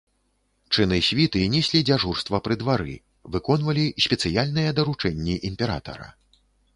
Чыны світы неслі дзяжурства пры двары, выконвалі спецыяльныя даручэнні імператара.